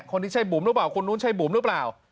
คนนี้ใช่บุ๋มหรือเปล่าคนนู้นใช่บุ๋มหรือเปล่า